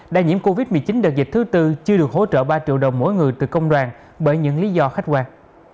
đai nhiễm covid một mươi chín đợt dịch thứ bốn chưa được hỗ trợ ba triệu đồng mỗi người từ công đoàn bởi những lý do khách hoạt